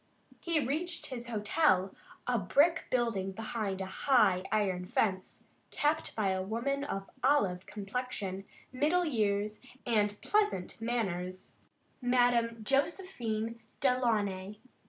He reached his hotel, a brick building behind a high iron fence, kept by a woman of olive complexion, middle years, and pleasant manners, Madame Josephine Delaunay.